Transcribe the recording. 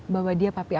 bahwa dia papi aku